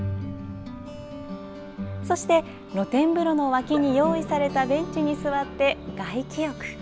そして、露天風呂の脇に用意されたベンチに座って外気浴。